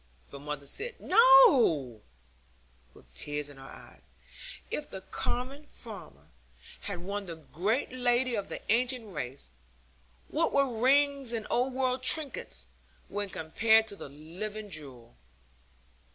But mother said 'No,' with tears in her eyes; 'if the common farmer had won the great lady of the ancient race, what were rings and old world trinkets, when compared to the living jewel?'